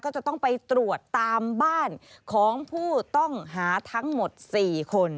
ก็จะต้องไปตรวจตามบ้านของผู้ต้องหาทั้งหมด๔คน